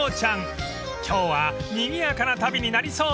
［今日はにぎやかな旅になりそうです］